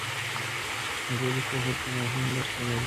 نظري پوهه دوه مهمې برخې لري.